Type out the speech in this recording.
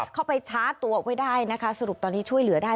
เข้าไปชาร์จตัวไว้ได้นะคะสรุปตอนนี้ช่วยเหลือได้